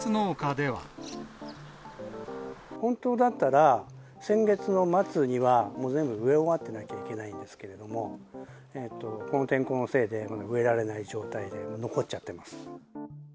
本当だったら、先月の末にはもう全部、植え終わってなきゃいけないんですけれども、この天候のせいで植えられない状態で残っちゃってます。